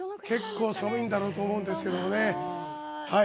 結構、寒いんだろうと思うんですけど。